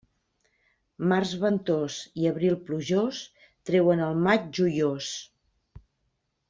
Març ventós i abril plujós, treuen el maig joiós.